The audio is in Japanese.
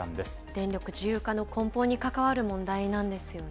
電力自由化の根本に関わる問題なんですよね。